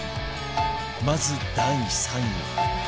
まず第３位は